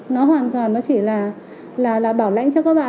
nó hoàn toàn nó chỉ là bảo lãnh cho các bạn